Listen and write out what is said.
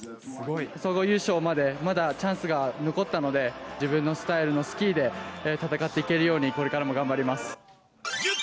総合優勝まで、まだチャンスが残ったので、自分のスタイルのスキーで戦っていけるように、これからも頑張ります。